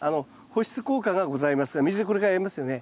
保湿効果がございますが水これからやりますよね。